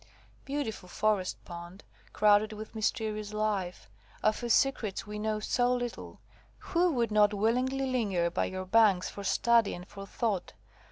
Beautiful forest pond, crowded with mysterious life, of whose secrets we know so little, who would not willingly linger by your banks for study and for thought?